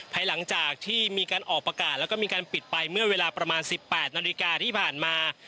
ภายหลังจากที่มีการออกประกาศแล้วก็มีการปิดไปเมื่อเวลาประมาณ๑๘นาฬิกาที่ผ่านมา